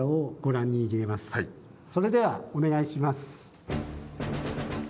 それではお願いします。